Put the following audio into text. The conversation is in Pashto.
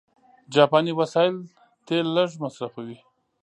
جاپاني وسایل تېل لږ مصرفوي.